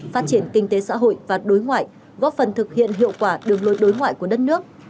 phát triển kinh tế xã hội và đối ngoại góp phần thực hiện hiệu quả đường lối đối ngoại của đất nước